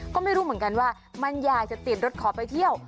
ก็ไม่รู้เหมือนกันว่ามันอยากจะติดรถขอไปเที่ยว